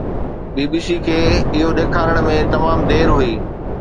بي B C کي اهو ڏيکارڻ ۾ تمام دير هئي.